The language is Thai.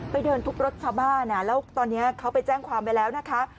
เดินทุบรถชาวบ้านแล้วตอนนี้เขาไปแจ้งความไปแล้วนะคะ